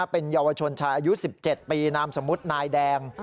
เป็นเยาวชนชายอายุ๑๗ปีนามสมมุตินายแดง